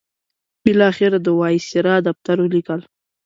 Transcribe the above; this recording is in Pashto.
بالاخره د وایسرا دفتر ولیکل.